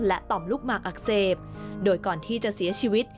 และต่อมลูกหมากอักเสบโดยก่อนที่จะเสียชีวิต